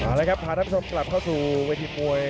เอาละครับพาท่านผู้ชมกลับเข้าสู่เวทีมวย